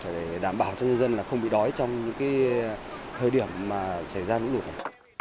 để đảm bảo cho nhân dân là không bị đói trong những thời điểm mà xảy ra lũ lụt